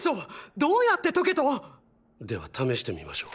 どうやって解けと⁉では試してみましょう。